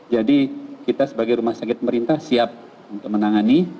jadi kita sebagai rumah sakit pemerintah siap untuk menangani